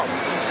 oh di situ